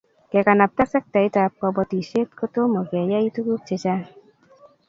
Kekanapta sektaitab kobotisiet kotomokeyai tuguk chechang